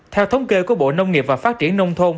theo thống kê của bộ nông nghiệp và phát triển nông thôn